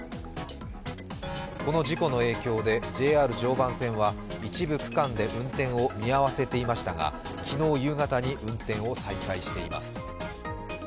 この事故の影響でＪＲ常磐線は一部区間で運転を見合わせていましたが昨日夕方に運転を再開しています。